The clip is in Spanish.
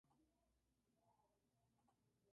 En un principio, el artículo no se tradujo correctamente.